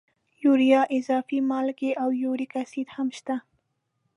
یوریا، اضافي مالګې او یوریک اسید هم شته.